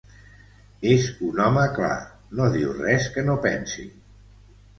És un home clar, no diu res que no pensi.